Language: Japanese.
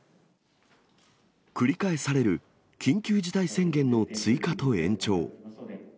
繰り返される緊急事態宣言の追加と延長。